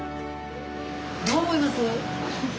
どう思います？